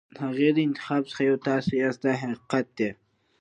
د هغې د انتخاب څخه یو تاسو یاست دا حقیقت دی.